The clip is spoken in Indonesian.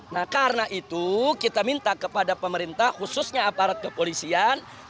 nah karena itu kita minta kepada pemerintah khususnya aparat kepolisian